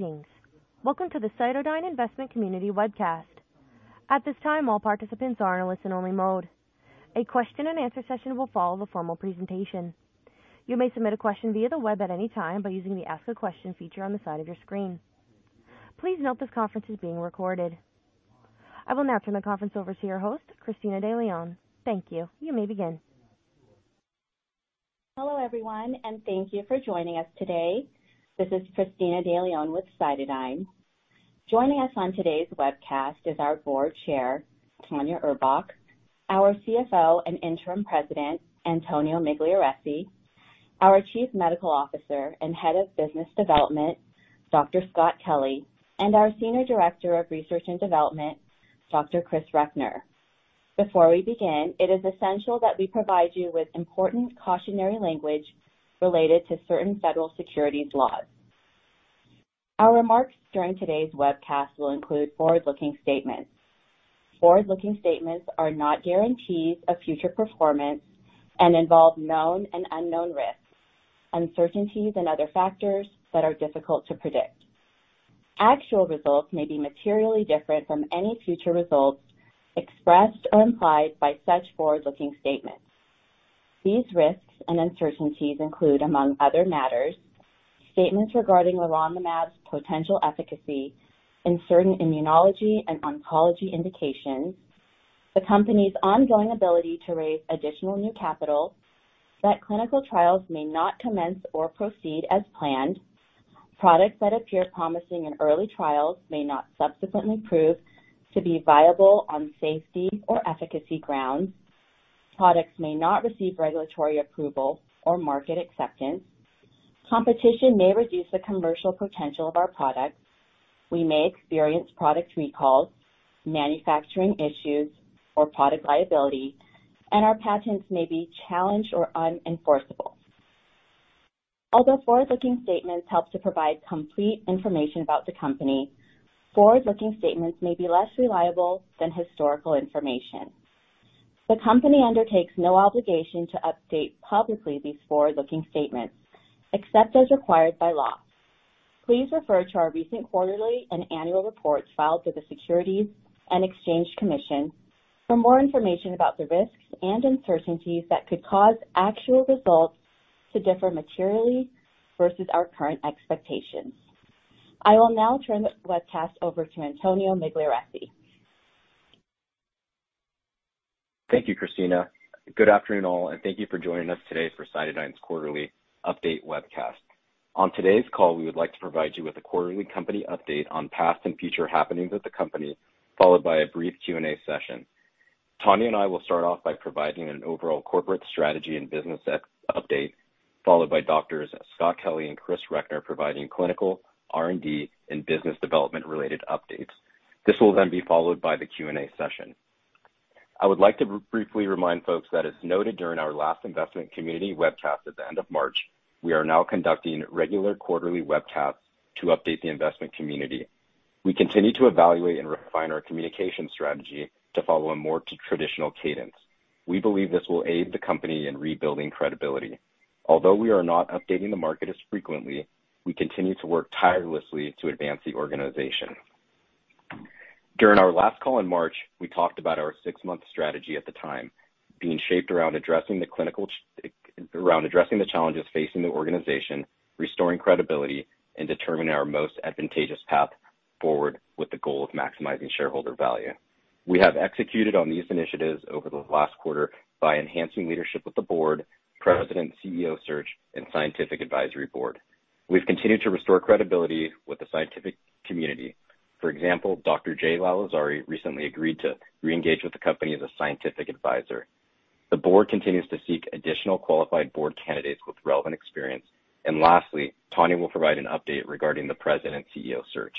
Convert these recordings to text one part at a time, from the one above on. Greetings. Welcome to the CytoDyn investment community webcast. At this time, all participants are in a listen-only mode. A question and answer session will follow the formal presentation. You may submit a question via the web at any time by using the Ask a Question feature on the side of your screen. Please note this conference is being recorded. I will now turn the conference over to your host, Cristina De Leon. Thank you. You may begin. Hello, everyone, and thank you for joining us today. This is Cristina De Leon with CytoDyn. Joining us on today's webcast is our Board Chair, Tanya Urbach, our CFO and Interim President, Antonio Migliarese, our Chief Medical Officer and Head of Business Development, Dr. Scott Kelly, and our Senior Director of Research and Development, Dr. Christopher Recknor. Before we begin, it is essential that we provide you with important cautionary language related to certain federal securities laws. Our remarks during today's webcast will include forward-looking statements. Forward-looking statements are not guarantees of future performance and involve known and unknown risks, uncertainties, and other factors that are difficult to predict. Actual results may be materially different from any future results expressed or implied by such forward-looking statements. These risks and uncertainties include, among other matters, statements regarding leronlimab's potential efficacy in certain immunology and oncology indications, the company's ongoing ability to raise additional new capital, that clinical trials may not commence or proceed as planned. Products that appear promising in early trials may not subsequently prove to be viable on safety or efficacy grounds. Products may not receive regulatory approval or market acceptance. Competition may reduce the commercial potential of our products. We may experience product recalls, manufacturing issues, or product liability, and our patents may be challenged or unenforceable. Although forward-looking statements help to provide complete information about the company, forward-looking statements may be less reliable than historical information. The company undertakes no obligation to update publicly these forward-looking statements, except as required by law. Please refer to our recent quarterly and annual reports filed with the Securities and Exchange Commission for more information about the risks and uncertainties that could cause actual results to differ materially versus our current expectations. I will now turn the webcast over to Antonio Migliarese. Thank you, Cristina. Good afternoon, all, and thank you for joining us today for CytoDyn's quarterly update webcast. On today's call, we would like to provide you with a quarterly company update on past and future happenings with the company, followed by a brief Q&A session. Tanya and I will start off by providing an overall corporate strategy and business update, followed by Doctors Scott Kelly and Chris Recknor providing clinical R&D and business development related updates. This will then be followed by the Q&A session. I would like to briefly remind folks that as noted during our last investment community webcast at the end of March, we are now conducting regular quarterly webcasts to update the investment community. We continue to evaluate and refine our communication strategy to follow a more traditional cadence. We believe this will aid the company in rebuilding credibility. Although we are not updating the market as frequently, we continue to work tirelessly to advance the organization. During our last call in March, we talked about our six-month strategy at the time being shaped around addressing the challenges facing the organization, restoring credibility, and determining our most advantageous path forward with the goal of maximizing shareholder value. We have executed on these initiatives over the last quarter by enhancing leadership with the board, president, CEO search, and scientific advisory board. We've continued to restore credibility with the scientific community. For example, Dr. Jay Lalezari recently agreed to re-engage with the company as a scientific advisor. The board continues to seek additional qualified board candidates with relevant experience. Lastly, Tanya will provide an update regarding the president CEO search.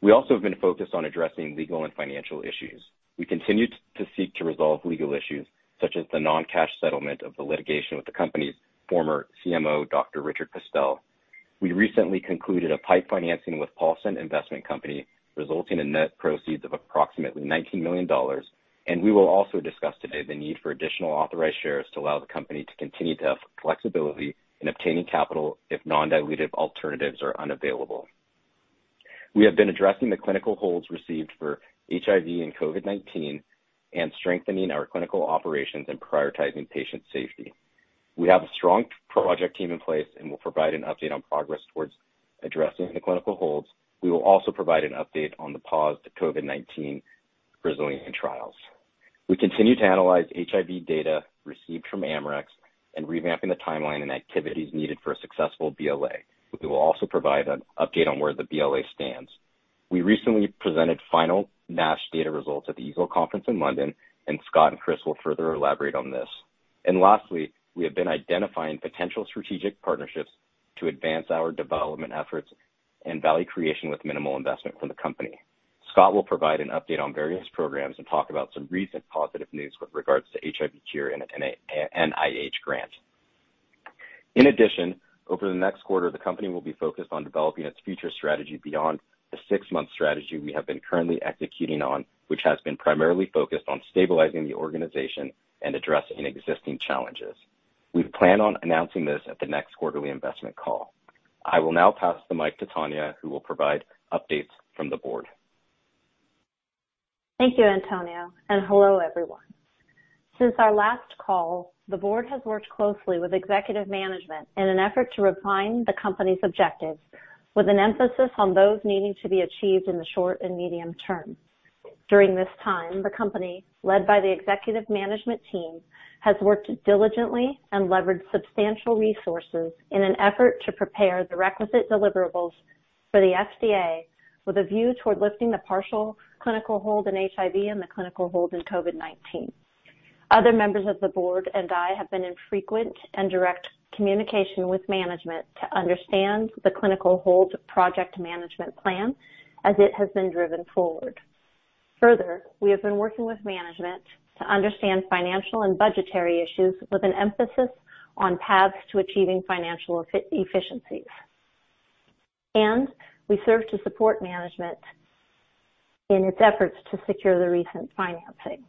We also have been focused on addressing legal and financial issues. We continue to seek to resolve legal issues such as the non-cash settlement of the litigation with the company's former CMO, Dr. Richard Pestell. We recently concluded a PIPE financing with Paulson Investment Company, resulting in net proceeds of approximately $19 million. We will also discuss today the need for additional authorized shares to allow the company to continue to have flexibility in obtaining capital if non-dilutive alternatives are unavailable. We have been addressing the clinical holds received for HIV and COVID-19 and strengthening our clinical operations and prioritizing patient safety. We have a strong project team in place and will provide an update on progress towards addressing the clinical holds. We will also provide an update on the paused COVID-19 resilient trials. We continue to analyze HIV data received from Amarex and revamping the timeline and activities needed for a successful BLA. We will also provide an update on where the BLA stands. We recently presented final NASH data results at the EASL Congress in London, and Scott and Chris will further elaborate on this. Lastly, we have been identifying potential strategic partnerships to advance our development efforts and value creation with minimal investment from the company. Scott will provide an update on various programs and talk about some recent positive news with regards to HIV cure and an NIH grant. In addition, over the next quarter, the company will be focused on developing its future strategy beyond the six-month strategy we have been currently executing on, which has been primarily focused on stabilizing the organization and addressing existing challenges. We plan on announcing this at the next quarterly investment call. I will now pass the mic to Tanya, who will provide updates from the board. Thank you, Antonio, and hello, everyone. Since our last call, the board has worked closely with executive management in an effort to refine the company's objectives with an emphasis on those needing to be achieved in the short and medium-term. During this time, the Company, led by the executive management team, has worked diligently and leveraged substantial resources in an effort to prepare the requisite deliverables for the FDA with a view toward lifting the partial clinical hold in HIV and the clinical hold in COVID-19. Other members of the board and I have been in frequent and direct communication with management to understand the clinical hold project management plan as it has been driven forward. Further, we have been working with management to understand financial and budgetary issues with an emphasis on paths to achieving financial efficiencies. We serve to support management in its efforts to secure the recent financing.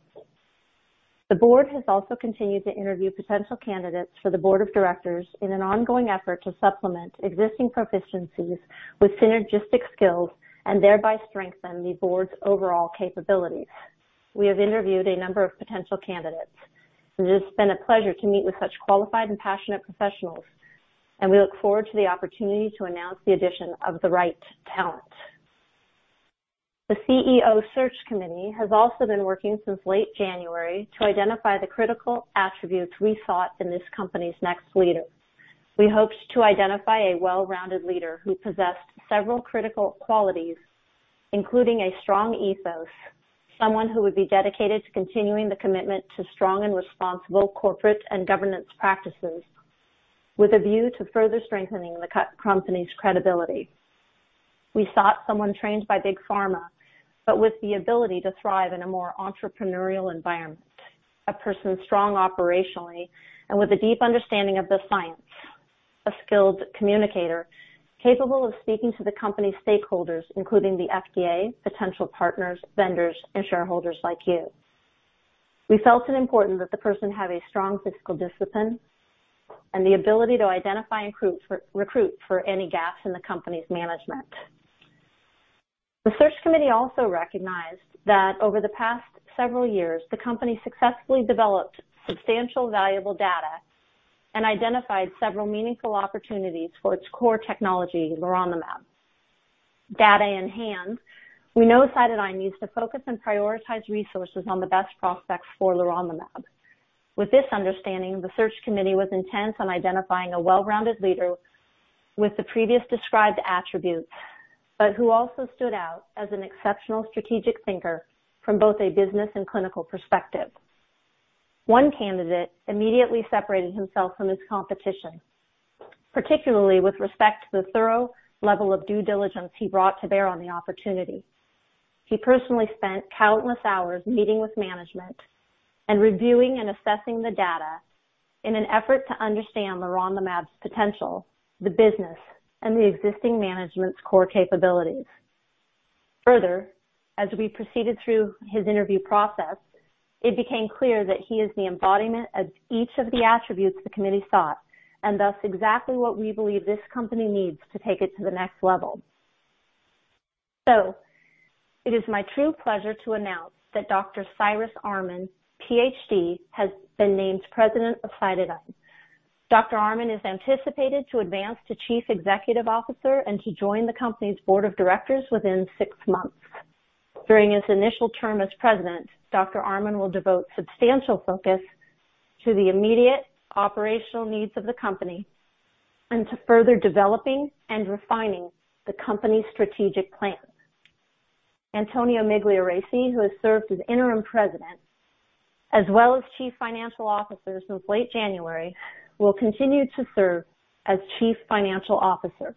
The board has also continued to interview potential candidates for the board of directors in an ongoing effort to supplement existing proficiencies with synergistic skills and thereby strengthen the board's overall capabilities. We have interviewed a number of potential candidates. It has been a pleasure to meet with such qualified and passionate professionals, and we look forward to the opportunity to announce the addition of the right talent. The CEO search committee has also been working since late January to identify the critical attributes we sought in this company's next leader. We hoped to identify a well-rounded leader who possessed several critical qualities, including a strong ethos, someone who would be dedicated to continuing the commitment to strong and responsible corporate and governance practices with a view to further strengthening the company's credibility. We sought someone trained by Big Pharma, but with the ability to thrive in a more entrepreneurial environment. A person strong operationally and with a deep understanding of the science. A skilled communicator capable of speaking to the company stakeholders, including the FDA, potential partners, vendors, and shareholders like you. We felt it important that the person have a strong physical discipline and the ability to identify and recruit for any gaps in the company's management. The search committee also recognized that over the past several years, the company successfully developed substantial valuable data and identified several meaningful opportunities for its core technology, leronlimab. Data in hand, we know CytoDyn needs to focus and prioritize resources on the best prospects for leronlimab. With this understanding, the search committee was intense on identifying a well-rounded leader with the previous described attributes, but who also stood out as an exceptional strategic thinker from both a business and clinical perspective. One candidate immediately separated himself from his competition, particularly with respect to the thorough level of due diligence he brought to bear on the opportunity. He personally spent countless hours meeting with management and reviewing and assessing the data in an effort to understand leronlimab's potential, the business, and the existing management's core capabilities. Further, as we proceeded through his interview process, it became clear that he is the embodiment of each of the attributes the committee sought and thus exactly what we believe this company needs to take it to the next level. It is my true pleasure to announce that Dr. Cyrus Arman, PhD, has been named President of CytoDyn. Dr. Arman is anticipated to advance to chief executive officer and to join the company's board of directors within six months. During his initial term as president, Dr. Arman will devote substantial focus to the immediate operational needs of the company and to further developing and refining the company's strategic plans. Antonio Migliarese, who has served as interim president as well as chief financial officer since late January, will continue to serve as chief financial officer.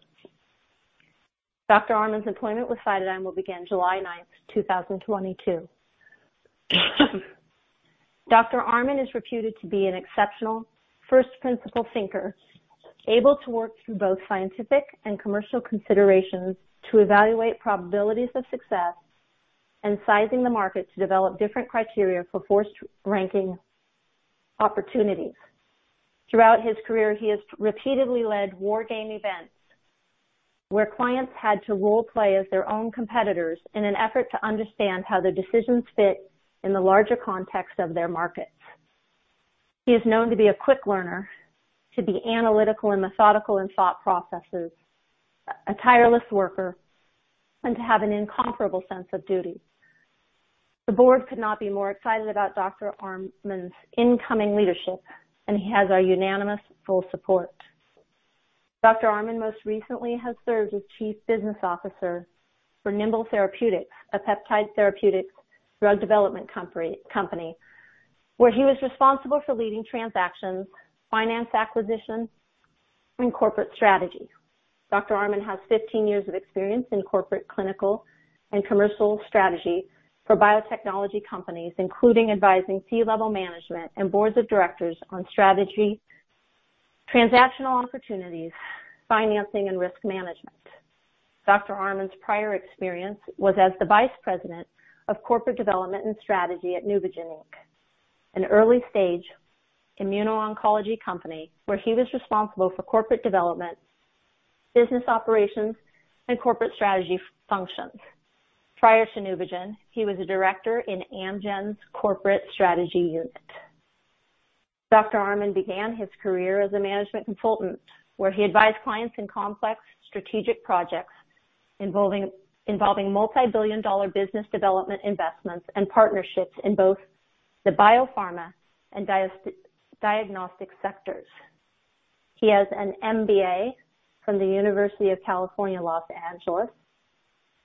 Dr. Arman's employment with CytoDyn will begin July 9, 2022. Dr. Arman is reputed to be an exceptional first principle thinker, able to work through both scientific and commercial considerations to evaluate probabilities of success and sizing the market to develop different criteria for forced ranking opportunities. Throughout his career, he has repeatedly led war game events where clients had to role-play as their own competitors in an effort to understand how the decisions fit in the larger context of their markets. He is known to be a quick learner, to be analytical and methodical in thought processes, a tireless worker, and to have an incomparable sense of duty. The board could not be more excited about Dr. Arman's incoming leadership, and he has our unanimous full support. Dr. Arman most recently has served as Chief Business Officer for Nimble Therapeutics, a peptide therapeutics drug development company, where he was responsible for leading transactions, finance acquisitions, and corporate strategy. Dr. Arman has 15 years of experience in corporate, clinical, and commercial strategy for biotechnology companies, including advising C-level management and boards of directors on strategy, transactional opportunities, financing, and risk management. Arman's prior experience was as the Vice President of Corporate Development and Strategy at NEUVOGEN, Inc., an early-stage immuno-oncology company where he was responsible for corporate development, business operations, and corporate strategy functions. Prior to NEUVOGEN, he was a director in Amgen's corporate strategy unit. Dr. Arman began his career as a management consultant, where he advised clients in complex strategic projects involving multi-billion-dollar business development investments and partnerships in both the biopharma and diagnostic sectors. He has an MBA from the University of California, Los Angeles,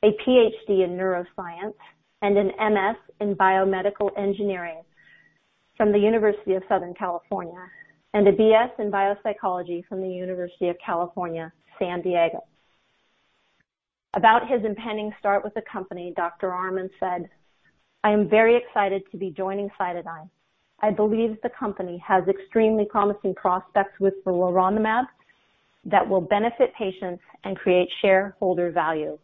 a PhD in Neuroscience, and an MS in Biomedical Engineering from the University of Southern California, and a BS in Biopsychology from the University of California, San Diego. About his impending start with the company, Dr. Arman said, "I am very excited to be joining CytoDyn. I believe the company has extremely promising prospects with leronlimab that will benefit patients and create shareholder value.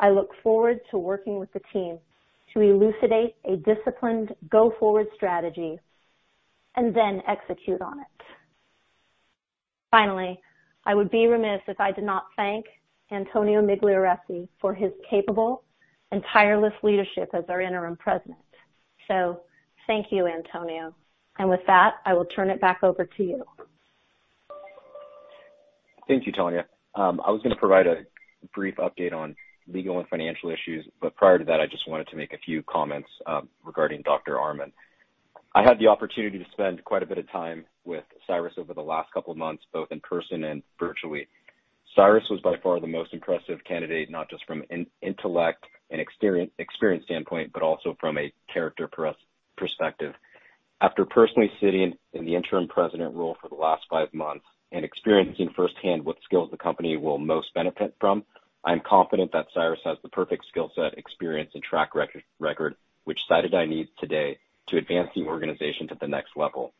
I look forward to working with the team to elucidate a disciplined go-forward strategy and then execute on it. Finally, I would be remiss if I did not thank Antonio Migliarese for his capable and tireless leadership as our Interim President. Thank you, Antonio. With that, I will turn it back over to you. Thank you, Tanya. I was going to provide a brief update on legal and financial issues, but prior to that, I just wanted to make a few comments regarding Dr. Arman. I had the opportunity to spend quite a bit of time with Cyrus over the last couple of months, both in person and virtually. Cyrus was by far the most impressive candidate, not just from an intellect and experience standpoint, but also from a character perspective. After personally sitting in the interim president role for the last five months and experiencing firsthand what skills the company will most benefit from, I am confident that Cyrus has the perfect skill set, experience, and track record which CytoDyn needs today to advance the organization to the next level.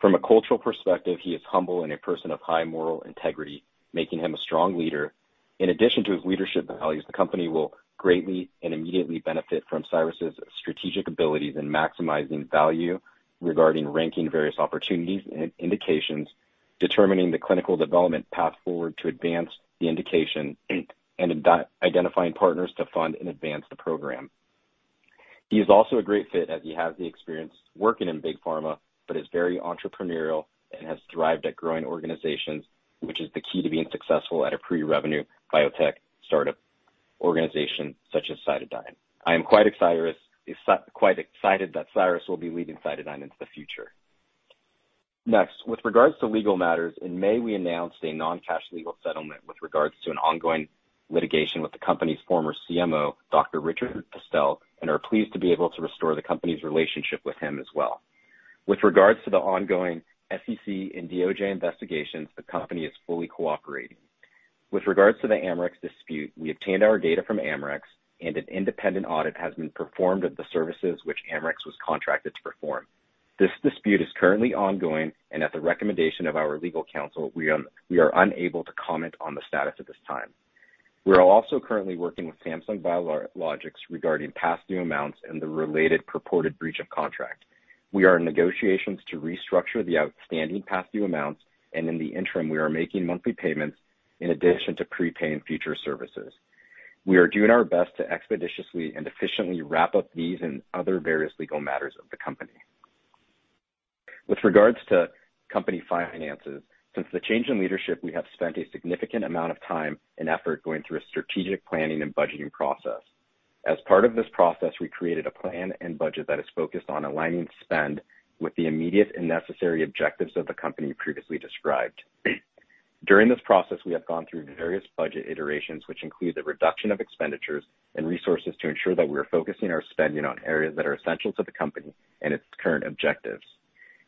From a cultural perspective, he is humble and a person of high moral integrity, making him a strong leader. In addition to his leadership values, the company will greatly and immediately benefit from Cyrus's strategic abilities in maximizing value regarding ranking various opportunities and indications, determining the clinical development path forward to advance the indication, and identifying partners to fund and advance the program. He is also a great fit as he has the experience working in big pharma, but is very entrepreneurial and has thrived at growing organizations, which is the key to being successful at a pre-revenue biotech startup organization such as CytoDyn. I am quite excited that Cyrus will be leading CytoDyn into the future. Next, with regards to legal matters, in May, we announced a non-cash legal settlement with regards to an ongoing litigation with the company's former CMO, Dr. Richard Pestell, and are pleased to be able to restore the company's relationship with him as well. With regards to the ongoing SEC and DOJ investigations, the company is fully cooperating. With regards to the Amarex dispute, we obtained our data from Amarex, and an independent audit has been performed of the services which Amarex was contracted to perform. This dispute is currently ongoing, and at the recommendation of our legal counsel, we are unable to comment on the status at this time. We are also currently working with Samsung Biologics regarding past due amounts and the related purported breach of contract. We are in negotiations to restructure the outstanding past due amounts, and in the interim, we are making monthly payments in addition to prepaying future services. We are doing our best to expeditiously and efficiently wrap up these and other various legal matters of the company. With regards to company finances, since the change in leadership, we have spent a significant amount of time and effort going through a strategic planning and budgeting process. As part of this process, we created a plan and budget that is focused on aligning spend with the immediate and necessary objectives of the company previously described. During this process, we have gone through various budget iterations, which include the reduction of expenditures and resources to ensure that we are focusing our spending on areas that are essential to the company and its current objectives.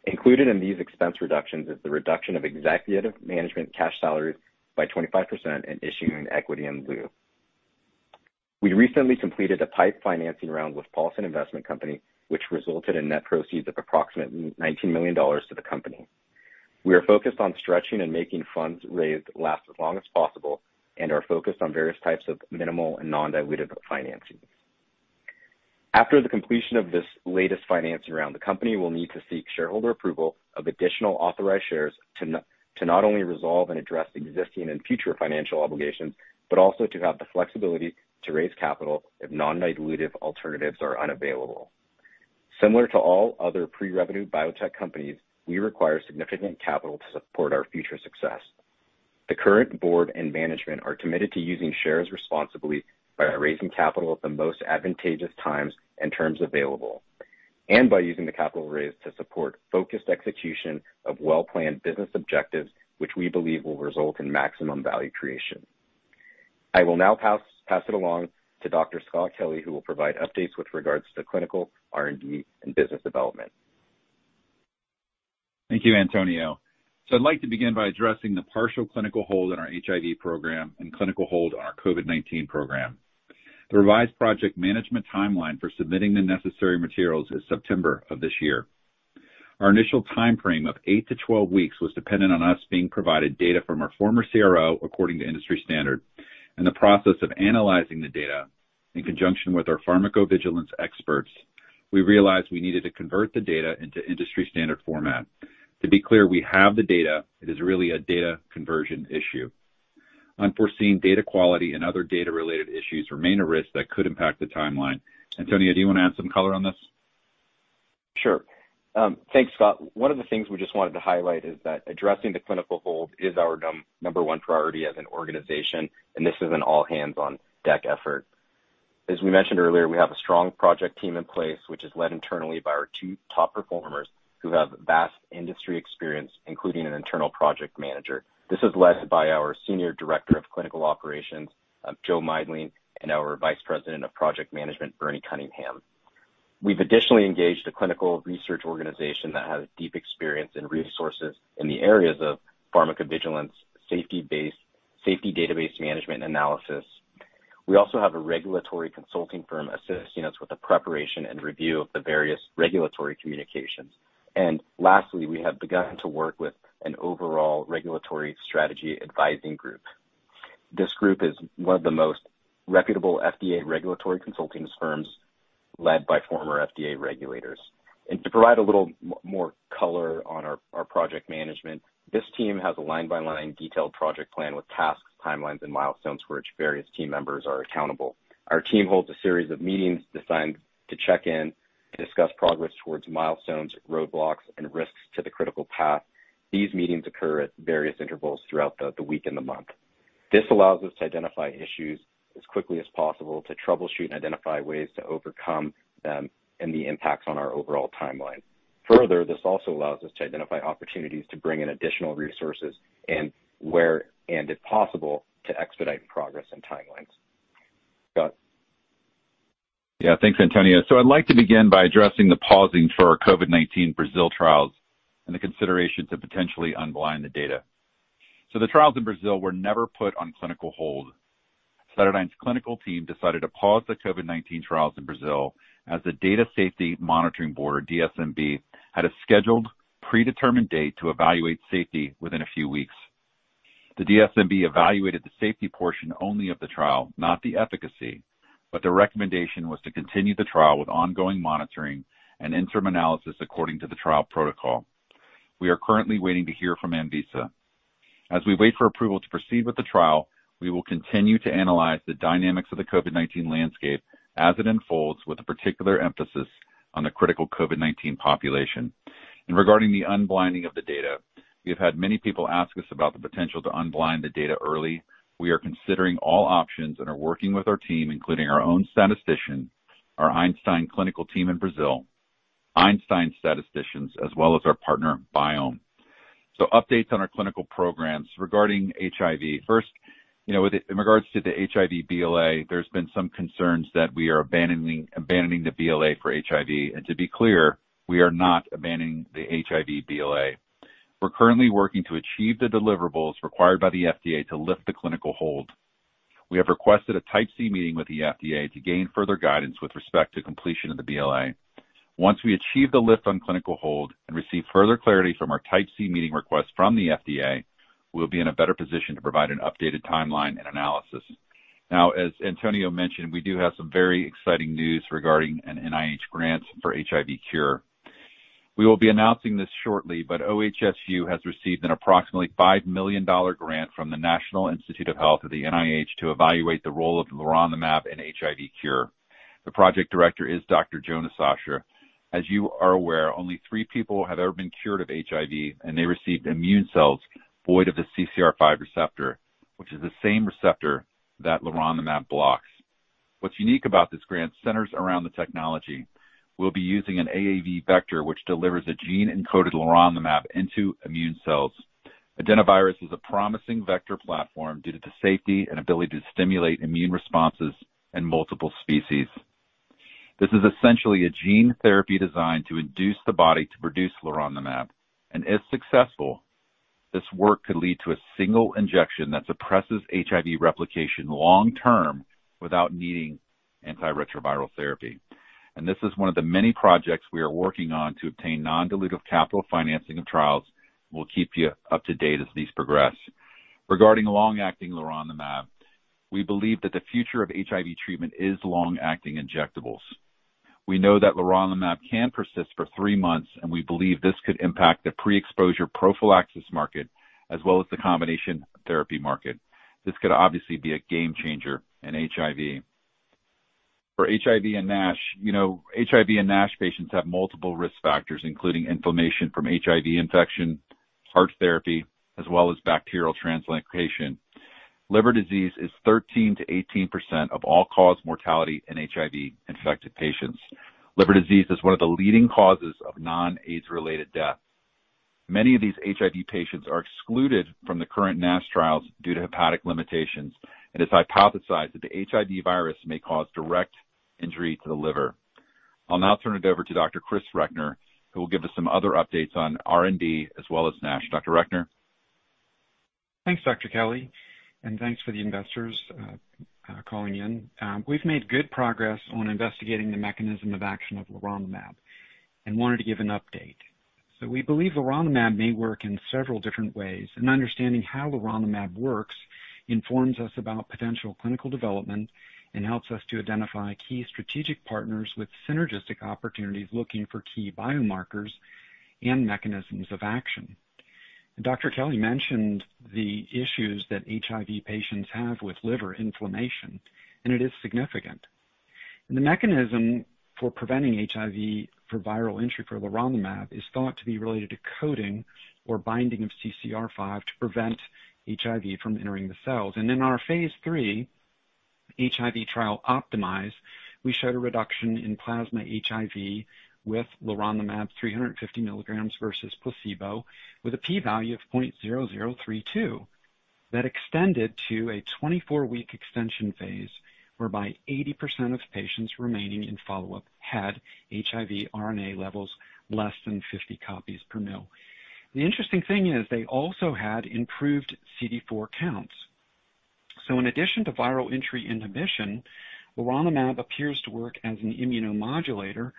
Included in these expense reductions is the reduction of executive management cash salaries by 25% and issuing equity in lieu. We recently completed a PIPE financing round with Paulson Investment Company, which resulted in net proceeds of approximately $19 million to the company. We are focused on stretching and making funds raised last as long as possible and are focused on various types of minimal and non-dilutive financing. After the completion of this latest financing round, the company will need to seek shareholder approval of additional authorized shares to not only resolve and address existing and future financial obligations, but also to have the flexibility to raise capital if non-dilutive alternatives are unavailable. Similar to all other pre-revenue biotech companies, we require significant capital to support our future success. The current board and management are committed to using shares responsibly by raising capital at the most advantageous times and terms available, and by using the capital raised to support focused execution of well-planned business objectives, which we believe will result in maximum value creation. I will now pass it along to Dr. Scott Kelly, who will provide updates with regards to clinical R&D and business development. Thank you, Antonio. I'd like to begin by addressing the partial clinical hold in our HIV program and clinical hold on our COVID-19 program. The revised project management timeline for submitting the necessary materials is September of this year. Our initial time frame of 8-12 weeks was dependent on us being provided data from our former CRO according to industry standard. In the process of analyzing the data in conjunction with our pharmacovigilance experts, we realized we needed to convert the data into industry standard format. To be clear, we have the data. It is really a data conversion issue. Unforeseen data quality and other data-related issues remain a risk that could impact the timeline. Antonio, do you want to add some color on this? Sure. Thanks, Scott. One of the things we just wanted to highlight is that addressing the clinical hold is our number one priority as an organization, and this is an all-hands on deck effort. As we mentioned earlier, we have a strong project team in place, which is led internally by our two top performers who have vast industry experience, including an internal project manager. This is led by our Senior Director of Clinical Operations, Joseph Meidling, and our Vice President of Project Management, Bernie Cunningham. We've additionally engaged a clinical research organization that has deep experience and resources in the areas of pharmacovigilance, safety base, safety database management analysis. We also have a regulatory consulting firm assisting us with the preparation and review of the various regulatory communications. Lastly, we have begun to work with an overall regulatory strategy advising group. This group is one of the most reputable FDA regulatory consulting firms led by former FDA regulators. To provide a little more color on our project management, this team has a line-by-line detailed project plan with tasks, timelines, and milestones for which various team members are accountable. Our team holds a series of meetings designed to check in and discuss progress towards milestones, roadblocks, and risks to the critical path. These meetings occur at various intervals throughout the week and the month. This allows us to identify issues as quickly as possible to troubleshoot and identify ways to overcome them and the impacts on our overall timeline. Further, this also allows us to identify opportunities to bring in additional resources and where, and if possible, to expedite progress and timelines. Scott. Yeah. Thanks, Antonio. I'd like to begin by addressing the pausing for our COVID-19 Brazil trials and the consideration to potentially unblind the data. The trials in Brazil were never put on clinical hold. CytoDyn's clinical team decided to pause the COVID-19 trials in Brazil as the Data Safety Monitoring Board (DSMB) had a scheduled predetermined date to evaluate safety within a few weeks. The DSMB evaluated the safety portion only of the trial, not the efficacy, but the recommendation was to continue the trial with ongoing monitoring and interim analysis according to the trial protocol. We are currently waiting to hear from Anvisa. As we wait for approval to proceed with the trial, we will continue to analyze the dynamics of the COVID-19 landscape as it unfolds, with a particular emphasis on the critical COVID-19 population. Regarding the unblinding of the data, we have had many people ask us about the potential to unblind the data early. We are considering all options and are working with our team, including our own statistician, our Einstein clinical team in Brazil, Einstein statisticians, as well as our partner, Biomm. Updates on our clinical programs regarding HIV. First, in regards to the HIV BLA, there's been some concerns that we are abandoning the BLA for HIV. To be clear, we are not abandoning the HIV BLA. We're currently working to achieve the deliverables required by the FDA to lift the clinical hold. We have requested a Type C meeting with the FDA to gain further guidance with respect to completion of the BLA. Once we achieve the lift on clinical hold and receive further clarity from our Type C meeting request from the FDA, we'll be in a better position to provide an updated timeline and analysis. Now, as Antonio mentioned, we do have some very exciting news regarding an NIH grant for HIV cure. We will be announcing this shortly, but OHSU has received an approximately $5 million grant from the National Institutes of Health or the NIH, to evaluate the role of leronlimab in HIV cure. The project director is Dr. Jonah Sacha. As you are aware, only three people have ever been cured of HIV, and they received immune cells void of the CCR5 receptor, which is the same receptor that leronlimab blocks. What's unique about this grant centers around the technology. We'll be using an AAV vector, which delivers a gene-encoded leronlimab into immune cells. Adenovirus is a promising vector platform due to the safety and ability to stimulate immune responses in multiple species. This is essentially a gene therapy designed to induce the body to produce leronlimab, and if successful, this work could lead to a single injection that suppresses HIV replication long term without needing antiretroviral therapy. This is one of the many projects we are working on to obtain non-dilutive capital financing of trials. We'll keep you up to date as these progress. Regarding long-acting leronlimab, we believe that the future of HIV treatment is long-acting injectables. We know that leronlimab can persist for three months, and we believe this could impact the pre-exposure prophylaxis market as well as the combination therapy market. This could obviously be a game changer in HIV. For HIV and NASH, you know, HIV and NASH patients have multiple risk factors, including inflammation from HIV infection, heart therapy, as well as bacterial translocation. Liver disease is 13%-18% of all-cause mortality in HIV-infected patients. Liver disease is one of the leading causes of non-AIDS related death. Many of these HIV patients are excluded from the current NASH trials due to hepatic limitations, and it's hypothesized that the HIV virus may cause direct injury to the liver. I'll now turn it over to Dr. Chris Recknor, who will give us some other updates on R&D as well as NASH. Dr. Recknor? Thanks, Dr. Kelly, and thanks for the investors calling in. We've made good progress on investigating the mechanism of action of leronlimab and wanted to give an update. We believe leronlimab may work in several different ways, and understanding how leronlimab works informs us about potential clinical development and helps us to identify key strategic partners with synergistic opportunities looking for key biomarkers and mechanisms of action. Dr. Kelly mentioned the issues that HIV patients have with liver inflammation, and it is significant. The mechanism for preventing HIV for viral entry for leronlimab is thought to be related to coating or binding of CCR5 to prevent HIV from entering the cells. In our Phase III HIV trial CD03, we showed a reduction in plasma HIV with leronlimab 350 mg versus placebo with a p-value of 0.0032 that extended to a 24-week extension phase, whereby 80% of patients remaining in follow-up had HIV RNA levels less than 50 copies per mL. The interesting thing is they also had improved CD4 counts. In addition to viral entry inhibition, leronlimab appears to work as an immunomodulator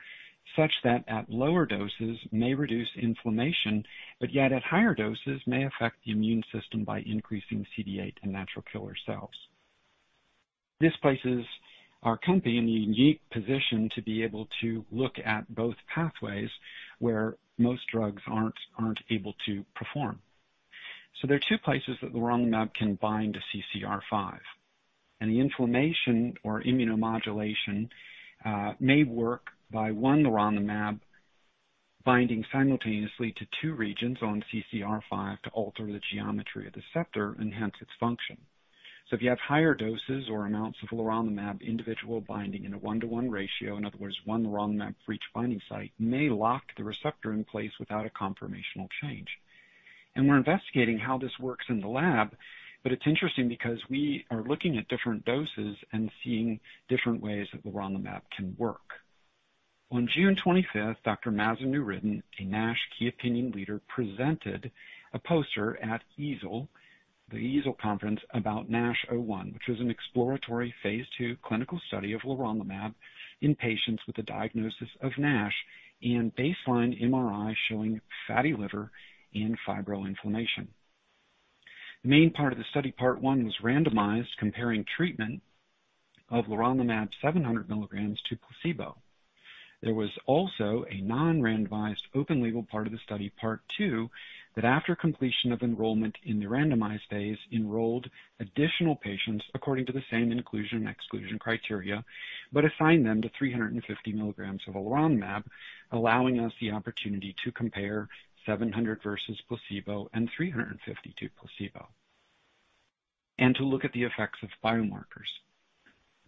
such that at lower doses may reduce inflammation, but yet at higher doses may affect the immune system by increasing CD8 and natural killer cells. This places our company in the unique position to be able to look at both pathways where most drugs aren't able to perform. There are two places that leronlimab can bind to CCR5, and the inflammation or immunomodulation may work by one leronlimab binding simultaneously to two regions on CCR5 to alter the geometry of the receptor and hence its function. If you have higher doses or amounts of leronlimab, individual binding in a one-to-one ratio, in other words, one leronlimab for each binding site, may lock the receptor in place without a conformational change. We're investigating how this works in the lab, but it's interesting because we are looking at different doses and seeing different ways that leronlimab can work. On June 25th, Dr. Mazen Noureddin, a NASH key opinion leader, presented a poster at EASL, the EASL conference about NASH01, which was an exploratory phase two clinical study of leronlimab in patients with a diagnosis of NASH and baseline MRI showing fatty liver and fibroinflammation. The main part of the study, part one, was randomized comparing treatment of leronlimab 700 mg to placebo. There was also a non-randomized open label part of the study, part two, that after completion of enrollment in the randomized phase, enrolled additional patients according to the same inclusion/exclusion criteria, but assigned them to 350 mg of leronlimab, allowing us the opportunity to compare 700 versus placebo and 350 to placebo and to look at the effects of biomarkers.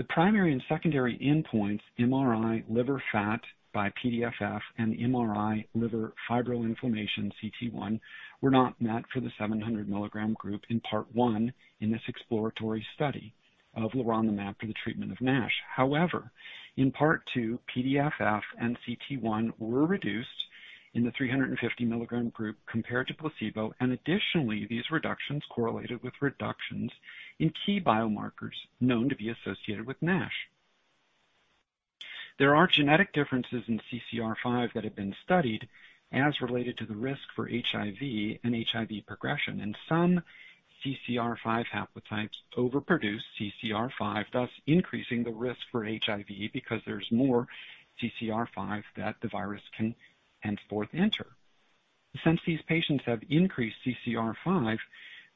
The primary and secondary endpoints, MRI liver fat by PDFF and MRI liver fibroinflammation cT1, were not met for the 700 mg group in part one in this exploratory study of leronlimab for the treatment of NASH. However, in part two, PDFF and cT1 were reduced in the 350 mg group compared to placebo. Additionally, these reductions correlated with reductions in key biomarkers known to be associated with NASH. There are genetic differences in CCR5 that have been studied as related to the risk for HIV and HIV progression. In some CCR5 haplotypes overproduce CCR5, thus increasing the risk for HIV because there's more CCR5 that the virus can enter. Since these patients have increased CCR5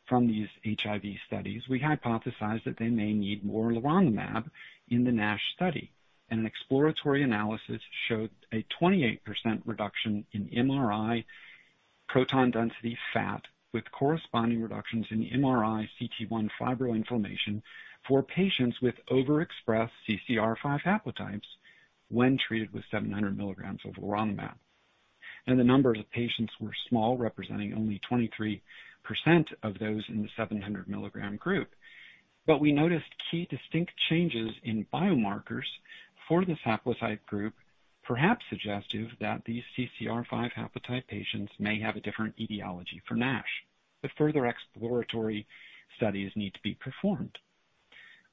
from these HIV studies, we hypothesized that they may need more leronlimab in the NASH study, and an exploratory analysis showed a 28% reduction in MRI PDFF with corresponding reductions in MRI cT1 fibroinflammation for patients with overexpressed CCR5 haplotypes when treated with 700 mg of leronlimab. The numbers of patients were small, representing only 23% of those in the 700 mg group. We noticed key distinct changes in biomarkers for this haplotype group, perhaps suggestive that these CCR5 haplotype patients may have a different etiology for NASH, but further exploratory studies need to be performed.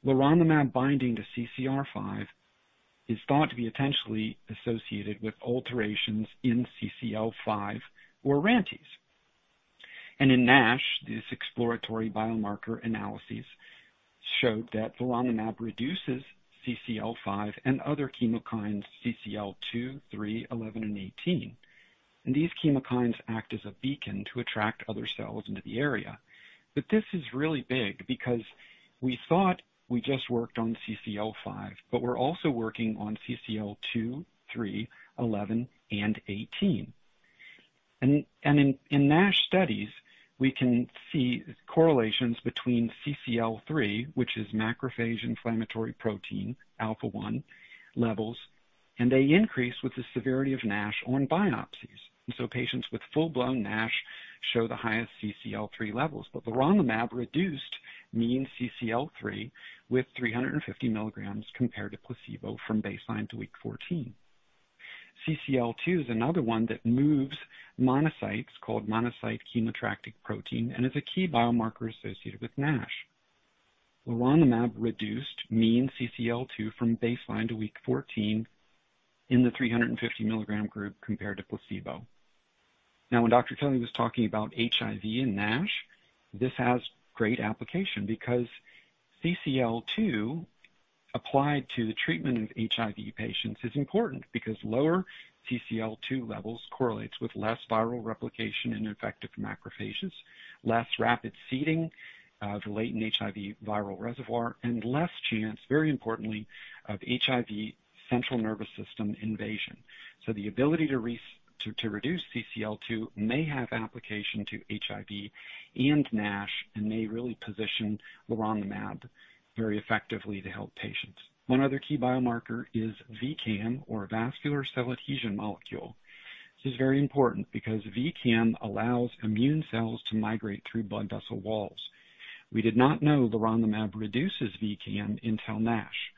Leronlimab binding to CCR5 is thought to be potentially associated with alterations in CCL5 or RANTES. In NASH, this exploratory biomarker analyses showed that the leronlimab reduces CCL5 and other chemokines, CCL2, 3, 11, and 18. These chemokines act as a beacon to attract other cells into the area. This is really big because we thought we just worked on CCL5, but we're also working on CCL2, 3, 11, and 18. In NASH studies, we can see correlations between CCL3, which is macrophage inflammatory protein alpha one levels, and they increase with the severity of NASH on biopsies. Patients with full-blown NASH show the highest CCL3 levels, but leronlimab reduced mean CCL3 with 350 mg compared to placebo from baseline to week 14. CCL2 is another one that moves monocytes called monocyte chemotactic protein, and is a key biomarker associated with NASH. Leronlimab reduced mean CCL2 from baseline to week 14 in the 350 mg group compared to placebo. Now, when Dr. Kelly was talking about HIV and NASH, this has great application because CCL2 applied to the treatment of HIV patients is important because lower CCL2 levels correlates with less viral replication in effective macrophages, less rapid seeding of the latent HIV viral reservoir, and less chance, very importantly, of HIV central nervous system invasion. The ability to reduce CCL2 may have application to HIV and NASH and may really position leronlimab very effectively to help patients. One other key biomarker is VCAM or vascular cell adhesion molecule. This is very important because VCAM allows immune cells to migrate through blood vessel walls. We did not know leronlimab reduces VCAM until NASH,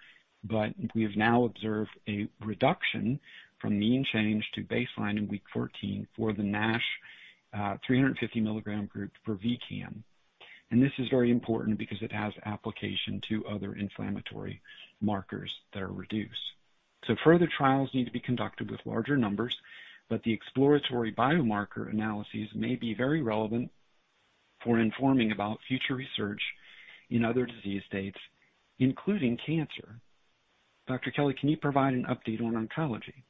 but we have now observed a reduction from mean change to baseline in week 14 for the NASH 350-mg group for VCAM. This is very important because it has application to other inflammatory markers that are reduced. Further trials need to be conducted with larger numbers, but the exploratory biomarker analyses may be very relevant for informing about future research in other disease states, including cancer. Dr. Kelly, can you provide an update on oncology?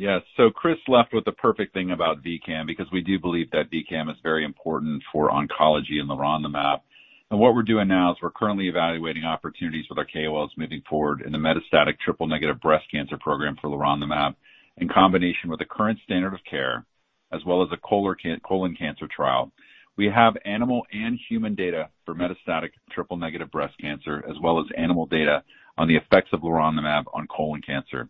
Yes. Chris left with the perfect thing about VCAM, because we do believe that VCAM is very important for oncology and leronlimab. What we're doing now is we're currently evaluating opportunities with our KOLs moving forward in the metastatic triple-negative breast cancer program for leronlimab, in combination with the current standard of care as well as a colon cancer trial. We have animal and human data for metastatic triple-negative breast cancer, as well as animal data on the effects of leronlimab on colon cancer.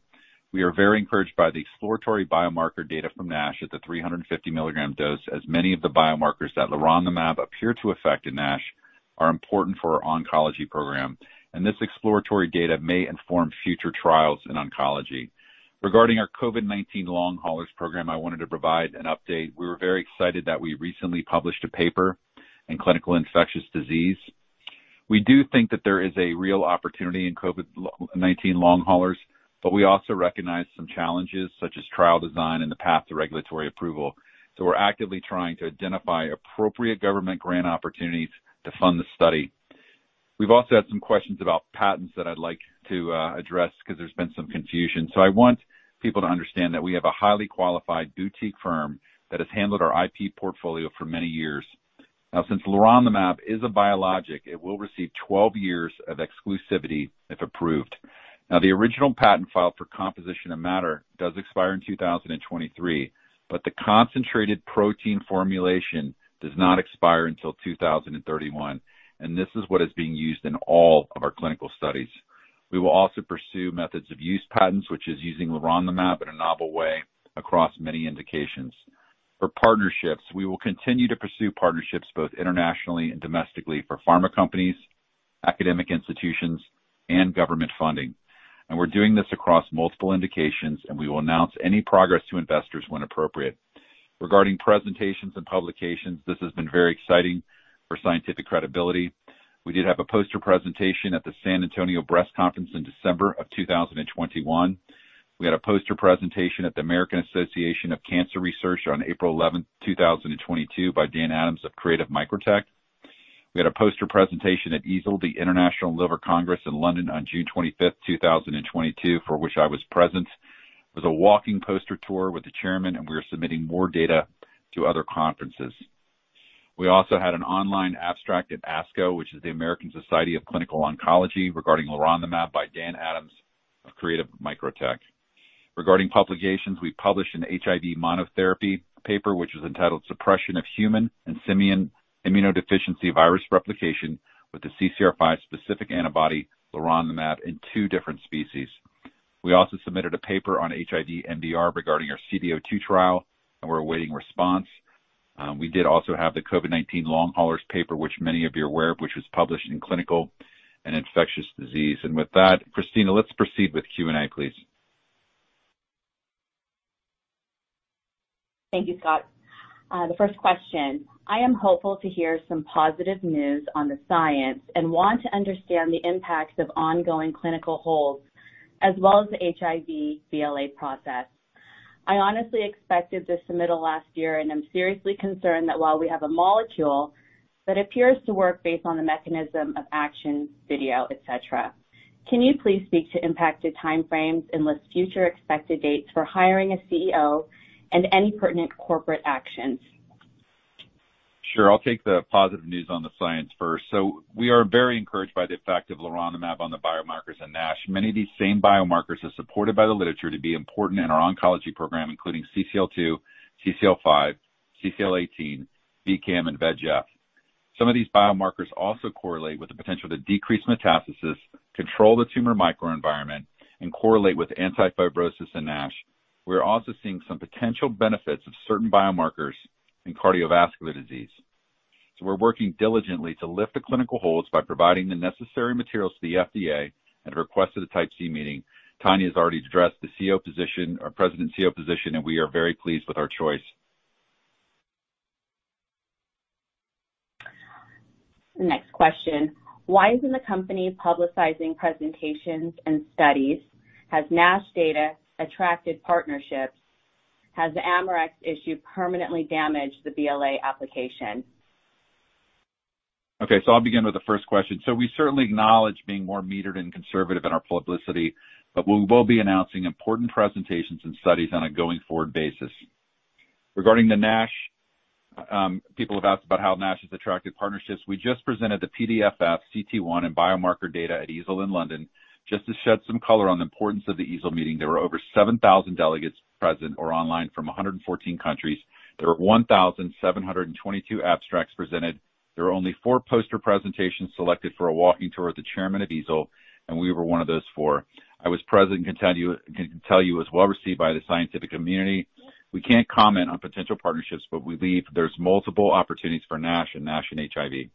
We are very encouraged by the exploratory biomarker data from NASH at the 350 mg dose, as many of the biomarkers that leronlimab appear to affect in NASH are important for our oncology program, and this exploratory data may inform future trials in oncology. Regarding our COVID-19 long haulers program, I wanted to provide an update. We were very excited that we recently published a paper in Clinical Infectious Diseases. We do think that there is a real opportunity in COVID-19 long haulers, but we also recognize some challenges, such as trial design and the path to regulatory approval. We're actively trying to identify appropriate government grant opportunities to fund the study. We've also had some questions about patents that I'd like to address because there's been some confusion. I want people to understand that we have a highly qualified boutique firm that has handled our IP portfolio for many years. Now, since leronlimab is a biologic, it will receive 12 years of exclusivity, if approved. Now, the original patent filed for composition of matter does expire in 2023, but the concentrated protein formulation does not expire until 2031, and this is what is being used in all of our clinical studies. We will also pursue methods of use patents, which is using leronlimab in a novel way across many indications. For partnerships, we will continue to pursue partnerships both internationally and domestically for pharma companies, academic institutions, and government funding. We're doing this across multiple indications, and we will announce any progress to investors when appropriate. Regarding presentations and publications, this has been very exciting for scientific credibility. We did have a poster presentation at the San Antonio Breast Cancer Symposium in December of 2021. We had a poster presentation at the American Association of Cancer Research on April 11, 2022 by Dan Adams of Creatv MicroTech. We had a poster presentation at EASL, the International Liver Congress in London on June 25, 2022, for which I was present. It was a walking poster tour with the chairman, and we are submitting more data to other conferences. We also had an online abstract at ASCO, which is the American Society of Clinical Oncology, regarding leronlimab by Dan Adams of Creatv MicroTech. Regarding publications, we published an HIV monotherapy paper, which was entitled Suppression of Human and Simian Immunodeficiency Virus Replication with the CCR5 specific antibody leronlimab in two different species. We also submitted a paper on HIV MDR regarding our CD02 trial, and we're awaiting response. We did also have the COVID-19 long haulers paper, which many of you are aware of, which was published in Clinical Infectious Diseases. With that, Cristina, let's proceed with Q&A, please. Thank you, Scott. The first question. I am hopeful to hear some positive news on the science and want to understand the impacts of ongoing clinical holds as well as the HIV BLA process. I honestly expected this submittal last year, and I'm seriously concerned that while we have a molecule that appears to work based on the mechanism of action, in vitro, et cetera. Can you please speak to impacted time frames and list future expected dates for hiring a CEO and any pertinent corporate actions? Sure. I'll take the positive news on the science first. We are very encouraged by the effect of leronlimab on the biomarkers in NASH. Many of these same biomarkers are supported by the literature to be important in our oncology program, including CCL2, CCL5, CCL18, VCAM, and VEGF. Some of these biomarkers also correlate with the potential to decrease metastasis, control the tumor microenvironment, and correlate with anti-fibrosis in NASH. We're also seeing some potential benefits of certain biomarkers in cardiovascular disease. We're working diligently to lift the clinical holds by providing the necessary materials to the FDA and request of the Type C meeting. Tanya has already addressed the CEO position or President CEO position, and we are very pleased with our choice. Next question. Why isn't the company publicizing presentations and studies? Has NASH data attracted partnerships? Has the Amarex issue permanently damaged the BLA application? Okay, I'll begin with the first question. We certainly acknowledge being more metered and conservative in our publicity, but we will be announcing important presentations and studies on a going-forward basis. Regarding the NASH, people have asked about how NASH has attracted partnerships. We just presented the PDFF, cT1 and biomarker data at EASL in London. Just to shed some color on the importance of the EASL meeting, there were over 7,000 delegates present or online from 114 countries. There were 1,722 abstracts presented. There were only four poster presentations selected for a walking tour of the chairman of EASL, and we were one of those four. I was present and can tell you it was well received by the scientific community. We can't comment on potential partnerships, but we believe there's multiple opportunities for NASH and HIV.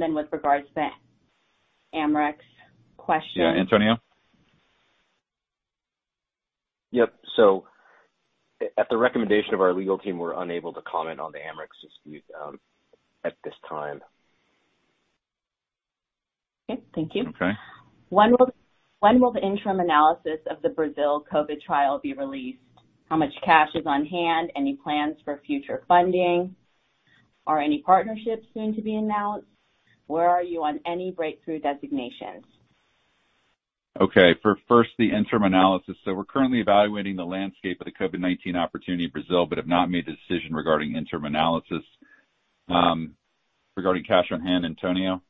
With regards to the Amarex question. Yeah, Antonio. At the recommendation of our legal team, we're unable to comment on the Amarex dispute at this time. Okay, thank you. Okay. When will the interim analysis of the Brazil COVID trial be released? How much cash is on hand? Any plans for future funding? Are any partnerships soon to be announced? Where are you on any breakthrough designations? Okay. First, the interim analysis. We're currently evaluating the landscape of the COVID-19 opportunity in Brazil, but have not made the decision regarding interim analysis. Regarding cash on hand, Antonio.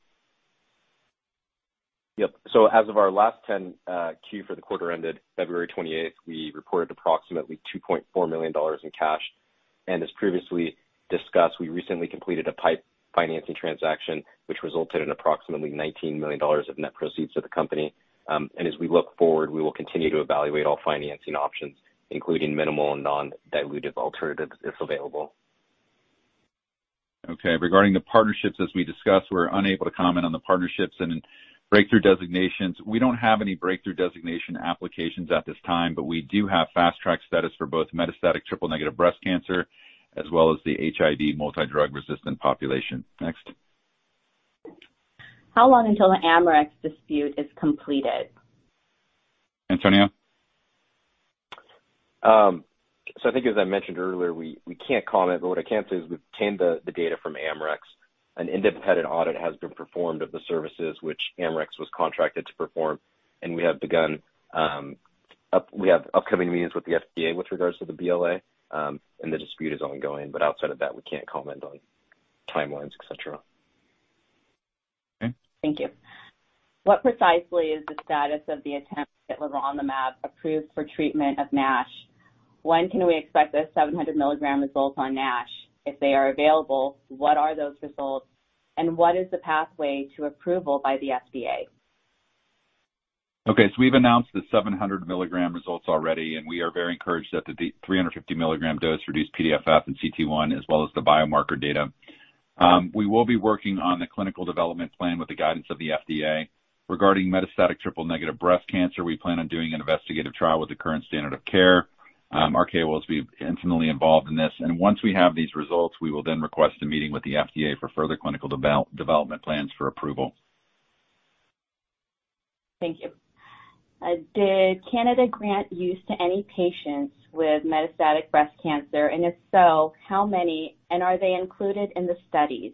Yep. As of our last 10-Q for the quarter ended February twenty-eighth, we reported approximately $2.4 million in cash. As previously discussed, we recently completed a PIPE financing transaction, which resulted in approximately $19 million of net proceeds to the company. As we look forward, we will continue to evaluate all financing options, including minimal and non-dilutive alternatives if available. Okay. Regarding the partnerships, as we discussed, we're unable to comment on the partnerships. In breakthrough designations, we don't have any breakthrough designation applications at this time, but we do have fast track status for both metastatic triple-negative breast cancer as well as the HIV multidrug-resistant population. Next. How long until the Amarex dispute is completed? Antonio. I think as I mentioned earlier, we can't comment. What I can say is we've obtained the data from Amarex. An independent audit has been performed of the services which Amarex was contracted to perform. We have upcoming meetings with the FDA with regards to the BLA, and the dispute is ongoing, but outside of that, we can't comment on timelines, et cetera. Okay. Thank you. What precisely is the status of the attempt to get leronlimab approved for treatment of NASH? When can we expect those 700 mg results on NASH? If they are available, what are those results, and what is the pathway to approval by the FDA? Okay, we've announced the 700 mg results already, and we are very encouraged that the 350 mg dose reduced PDFF and cT1 as well as the biomarker data. We will be working on the clinical development plan with the guidance of the FDA. Regarding metastatic triple-negative breast cancer, we plan on doing an investigational trial with the current standard of care. AACR will be intimately involved in this. Once we have these results, we will then request a meeting with the FDA for further clinical development plans for approval. Thank you. Did Canada grant use to any patients with metastatic breast cancer? If so, how many? Are they included in the studies?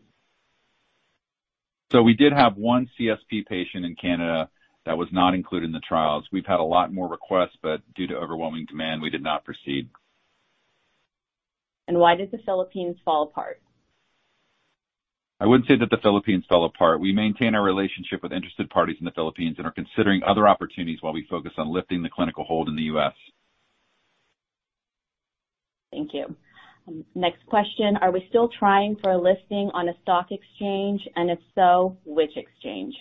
We did have one CSP patient in Canada that was not included in the trials. We've had a lot more requests, but due to overwhelming demand we did not proceed. Why did the Philippines fall apart? I wouldn't say that the Philippines fell apart. We maintain our relationship with interested parties in the Philippines and are considering other opportunities while we focus on lifting the clinical hold in the U.S. Thank you. Next question. Are we still trying for a listing on a stock exchange? If so, which exchange?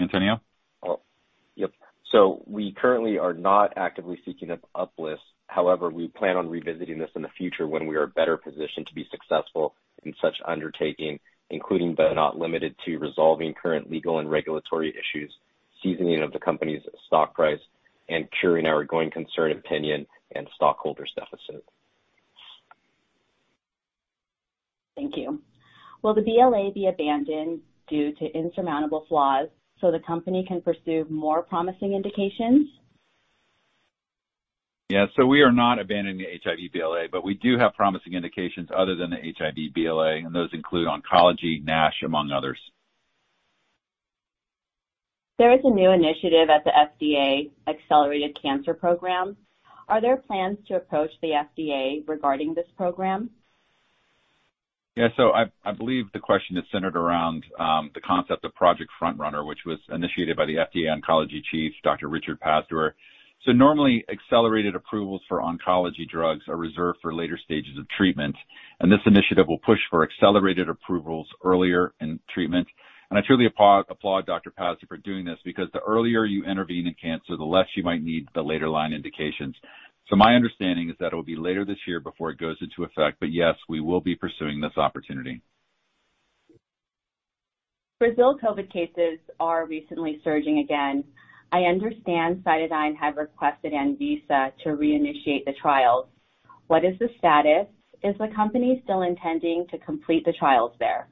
Antonio. Oh, yep. We currently are not actively seeking an uplist. However, we plan on revisiting this in the future when we are better positioned to be successful in such undertaking, including but not limited to resolving current legal and regulatory issues, seasoning of the company's stock price, and curing our going concern opinion and stockholders' deficit. Thank you. Will the BLA be abandoned due to insurmountable flaws so the company can pursue more promising indications? Yeah. We are not abandoning the HIV BLA, but we do have promising indications other than the HIV BLA, and those include oncology, NASH, among others. There is a new initiative at the FDA Accelerated Cancer Program. Are there plans to approach the FDA regarding this program? Yeah. I believe the question is centered around the concept of Project FrontRunner, which was initiated by the FDA Oncology Chief, Dr. Richard Pazdur. Normally, accelerated approvals for oncology drugs are reserved for later stages of treatment, and this initiative will push for accelerated approvals earlier in treatment. I truly applaud Dr. Pazdur for doing this, because the earlier you intervene in cancer, the less you might need the later line indications. My understanding is that it'll be later this year before it goes into effect. Yes, we will be pursuing this opportunity. Brazil COVID cases are recently surging again. I understand CytoDyn have requested Anvisa to reinitiate the trials. What is the status? Is the company still intending to complete the trials there?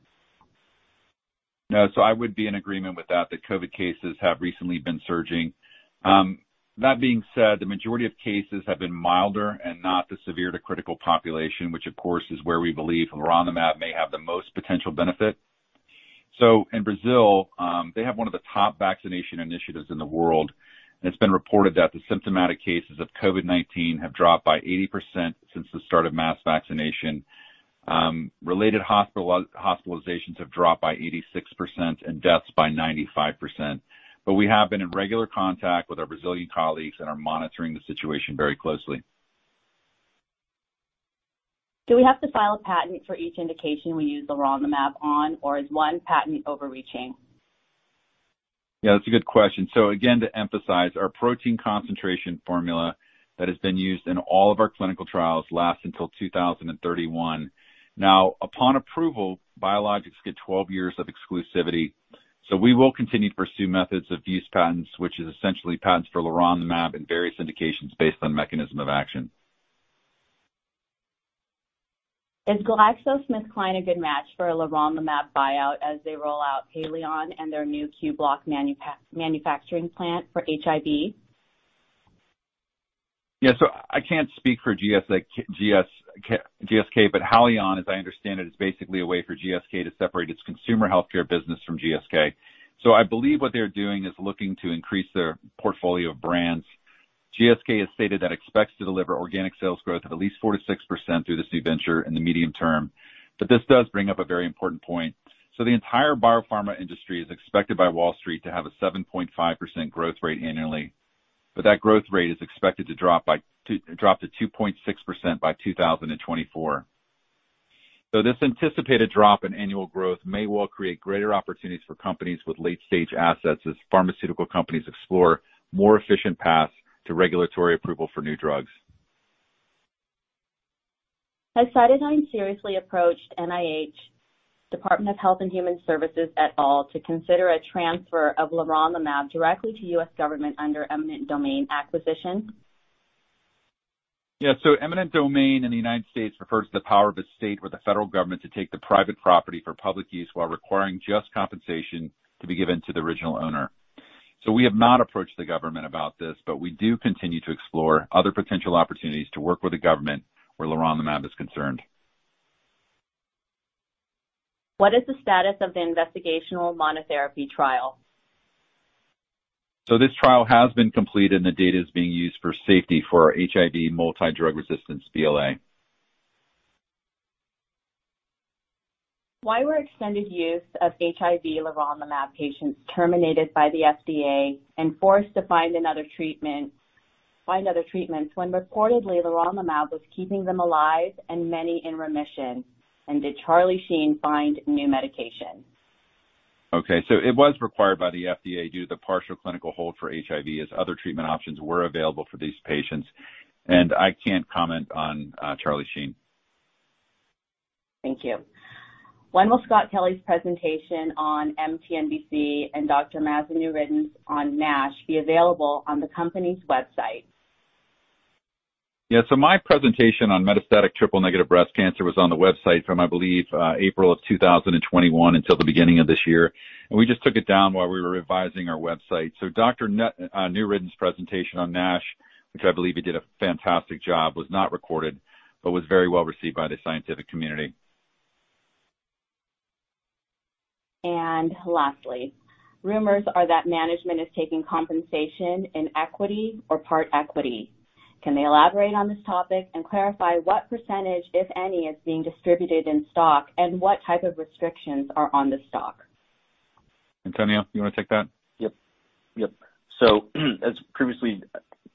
No. I would be in agreement with that COVID cases have recently been surging. That being said, the majority of cases have been milder and not the severe to critical population, which of course is where we believe leronlimab may have the most potential benefit. In Brazil, they have one of the top vaccination initiatives in the world, and it's been reported that the symptomatic cases of COVID-19 have dropped by 80% since the start of mass vaccination. Related hospitalizations have dropped by 86% and deaths by 95%. We have been in regular contact with our Brazilian colleagues and are monitoring the situation very closely. Do we have to file a patent for each indication we use leronlimab on, or is one patent overreaching? Yeah, that's a good question. Again, to emphasize, our protein concentration formula that has been used in all of our clinical trials lasts until 2031. Now, upon approval, biologics get 12 years of exclusivity, so we will continue to pursue methods of use patents, which is essentially patents for leronlimab in various indications based on mechanism of action. Is GlaxoSmithKline a good match for a leronlimab buyout as they roll out Haleon and their new Q-Block manufacturing plant for HIV? I can't speak for GSK, but Haleon, as I understand it, is basically a way for GSK to separate its consumer healthcare business from GSK. I believe what they're doing is looking to increase their portfolio of brands. GSK has stated that it expects to deliver organic sales growth of at least 4%-6% through this new venture in the medium term. This does bring up a very important point. The entire biopharma industry is expected by Wall Street to have a 7.5% growth rate annually, but that growth rate is expected to drop to 2.6% by 2024. This anticipated drop in annual growth may well create greater opportunities for companies with late-stage assets as pharmaceutical companies explore more efficient paths to regulatory approval for new drugs. Has CytoDyn seriously approached NIH, Department of Health and Human Services at all to consider a transfer of leronlimab directly to U.S. government under eminent domain acquisition? Yeah, eminent domain in the United States refers to the power of a state or the federal government to take the private property for public use while requiring just compensation to be given to the original owner. We have not approached the government about this, but we do continue to explore other potential opportunities to work with the government where leronlimab is concerned. What is the status of the investigational monotherapy trial? This trial has been completed and the data is being used for safety for our HIV multi-drug resistance BLA. Why were extended use of HIV leronlimab patients terminated by the FDA and forced to find another treatment, find other treatments when reportedly leronlimab was keeping them alive and many in remission? Did Charlie Sheen find new medication? It was required by the FDA due to the partial clinical hold for HIV as other treatment options were available for these patients. I can't comment on Charlie Sheen. Thank you. When will Scott Kelly's presentation on mTNBC and Dr. Mazen Noureddin's on NASH be available on the company's website? Yeah. My presentation on metastatic triple-negative breast cancer was on the website from, I believe, April of 2021 until the beginning of this year. We just took it down while we were revising our website. Dr. Mazen Noureddin's presentation on NASH, which I believe he did a fantastic job, was not recorded, but was very well received by the scientific community. Lastly, rumors are that management is taking compensation in equity or part equity. Can they elaborate on this topic and clarify what percentage, if any, is being distributed in stock and what type of restrictions are on the stock? Antonio, you wanna take that? Yep. As previously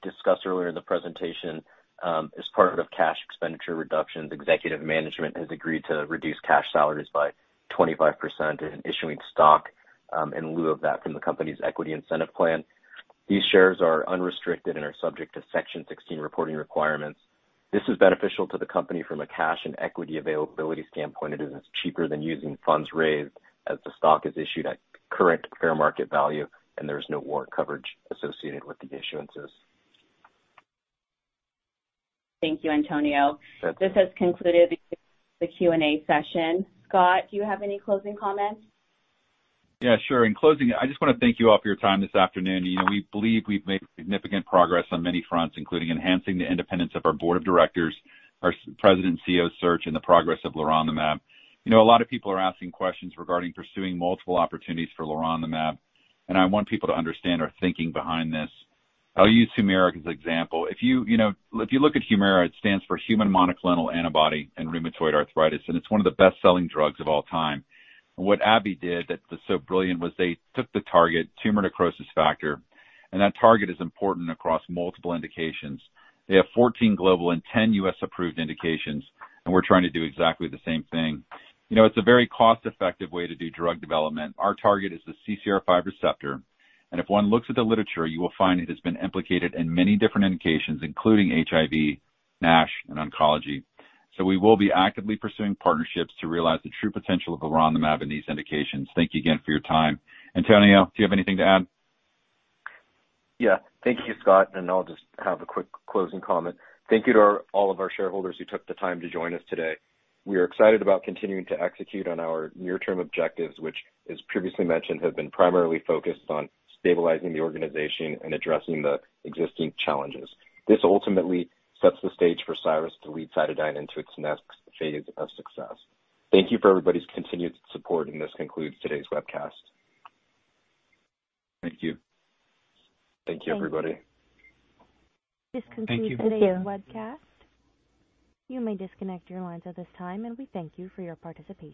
discussed earlier in the presentation, as part of cash expenditure reductions, executive management has agreed to reduce cash salaries by 25% and issuing stock in lieu of that from the company's equity incentive plan. These shares are unrestricted and are subject to Section 16 reporting requirements. This is beneficial to the company from a cash and equity availability standpoint, as it's cheaper than using funds raised as the stock is issued at current fair market value, and there's no warrant coverage associated with the issuances. Thank you, Antonio. That's it. This has concluded the Q&A session. Scott, do you have any closing comments? Yeah, sure. In closing, I just wanna thank you all for your time this afternoon. You know, we believe we've made significant progress on many fronts, including enhancing the independence of our board of directors, our president CEO search, and the progress of leronlimab. You know, a lot of people are asking questions regarding pursuing multiple opportunities for leronlimab, and I want people to understand our thinking behind this. I'll use Humira as an example. If you know, if you look at Humira, it stands for human monoclonal antibody in rheumatoid arthritis, and it's one of the best-selling drugs of all time. What AbbVie did that was so brilliant was they took the target tumor necrosis factor, and that target is important across multiple indications. They have 14 global and 10 U.S. approved indications, and we're trying to do exactly the same thing. You know, it's a very cost-effective way to do drug development. Our target is the CCR5 receptor, and if one looks at the literature, you will find it has been implicated in many different indications, including HIV, NASH, and oncology. We will be actively pursuing partnerships to realize the true potential of leronlimab in these indications. Thank you again for your time. Antonio, do you have anything to add? Yeah. Thank you, Scott, and I'll just have a quick closing comment. Thank you to our, all of our shareholders who took the time to join us today. We are excited about continuing to execute on our near-term objectives, which, as previously mentioned, have been primarily focused on stabilizing the organization and addressing the existing challenges. This ultimately sets the stage for Cyrus to lead CytoDyn into its next phase of success. Thank you for everybody's continued support, and this concludes today's webcast. Thank you. Thank you, everybody. This concludes today's webcast. You may disconnect your lines at this time, and we thank you for your participation.